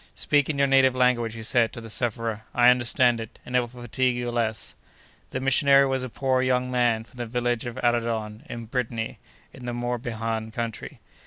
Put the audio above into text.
"Speak in your native language," he said to the sufferer; "I understand it, and it will fatigue you less." The missionary was a poor young man from the village of Aradon, in Brittany, in the Morbihan country.